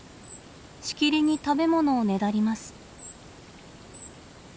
しきりに食べ物をねだります。